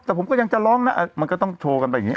แต่ผมก็ยังจะร้องนะมันก็ต้องโชว์กันไปอย่างนี้